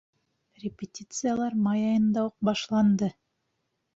— Репетициялар май айында уҡ башланды.